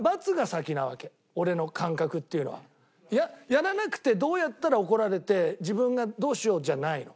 やらなくてどうやったら怒られて自分がどうしようじゃないの。